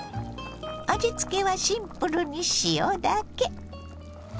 味つけはシンプルに塩だけ。